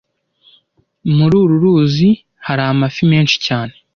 Muri uru ruzi hari amafi menshi cyane